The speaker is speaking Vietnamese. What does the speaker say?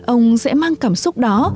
ông sẽ mang cảm xúc đó